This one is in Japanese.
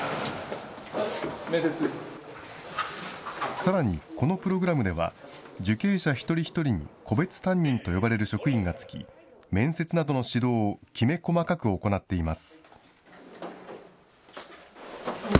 さらに、このプログラムでは、受刑者一人一人に個別担任と呼ばれる職員がつき、面接などの指導をきめ細かく行っています。